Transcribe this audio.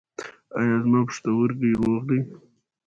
ایا زما پښتورګي روغ دي؟